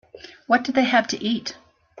What did they have to eat?